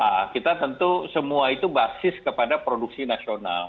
nah kita tentu semua itu basis kepada produksi nasional